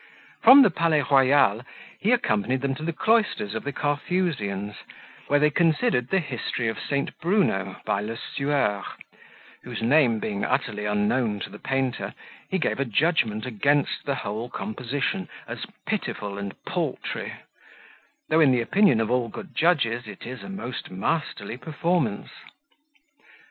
From the Palais Royal he accompanied them to the cloisters of the Carthusian's, where they considered the History of St. Bruno, by Le Sueur, whose name being utterly unknown to the painter, he gave judgment against the whole composition, as pitiful and paltry; though, in the opinion of all good judges, it is a most masterly performance.